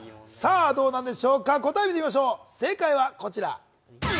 どうなんでしょうか、答えを見てみましょう。